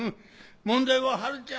問題はハルちゃん